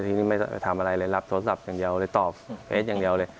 ทีนี้ไม่ทำอะไรเลยรับโทรศัพท์อย่างเดียวเลยตอบเอสอย่างเดียวเลย